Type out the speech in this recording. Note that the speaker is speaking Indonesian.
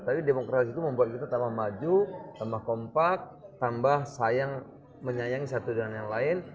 tapi demokrasi itu membuat kita tambah maju tambah kompak tambah sayang menyayangi satu dengan yang lain